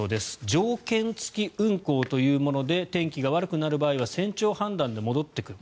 条件付き運航というもので天気が悪くなる場合は船長判断で戻ってくる。